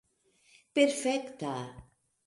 perfekta